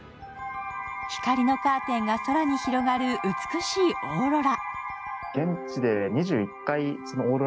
光のカーテンが空に広がる美しいオーロラ。